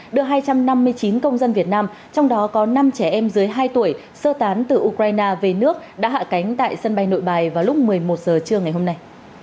đưa hai trăm năm mươi chín công dân việt nam trong đó có năm trẻ em dưới hai tuổi sơ tán từ ukraine về nước đã hạ cánh tại sân bay nội bài vào lúc một mươi một giờ trưa ngày hôm nay